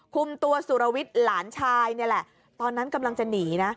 คุมตัวสุรวิทย์หลานชายนี่แหละตอนนั้นกำลังจะหนีนะ